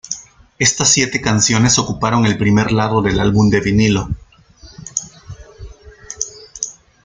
Estas siete canciones ocuparon el primer lado del álbum de vinilo.